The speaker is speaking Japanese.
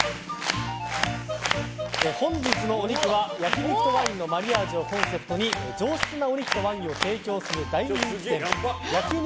本日のお肉は焼き肉とワインのマリアージュをコンセプトに上質なお肉とワインを提供する大人気店焼肉